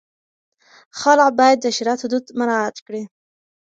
خلع باید د شریعت حدود مراعت کړي.